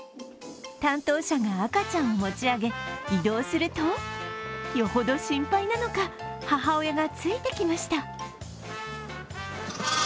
担当者が赤ちゃんを持ち上げ、移動するとよほど心配なのか、母親がついてきました。